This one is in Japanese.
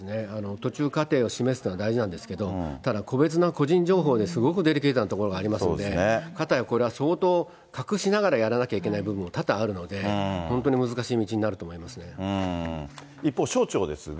途中過程を示すっていうのは大事なんですけれども、ただ、個別の個人的な情報で、すごくデリケートなところがありますので、かたやこれは相当、隠しながらやらなきゃいけない部分も多々あると思いますので、一方、省庁ですが。